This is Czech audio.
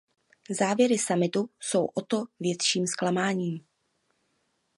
Závěry summitu jsou o to větším zklamáním.